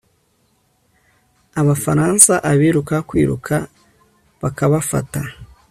Abafaransa abiruka kwiruka bakabafata